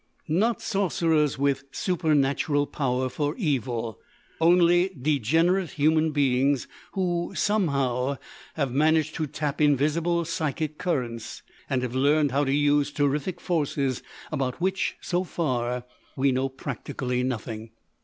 "Not sorcerers with supernatural powers for evil. Only degenerate human beings who, somehow, have managed to tap invisible psychic currents, and have learned how to use terrific forces about which, so far, we know practically nothing."